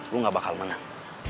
lu gak bakal menang